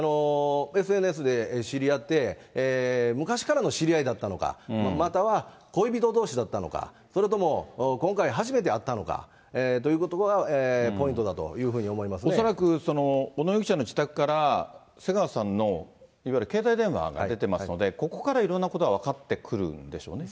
ＳＮＳで知り合って、昔からの知り合いだったのか、または恋人どうしだったのか、それとも今回初めて会ったのかということはポイントだというふう恐らく、小野容疑者の自宅から瀬川さんのいわゆる携帯電話が出てますので、ここからいろんなことが分かってくるんでしょうね。